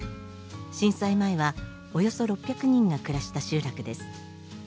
震災前はおよそ６００人が暮らした集落です。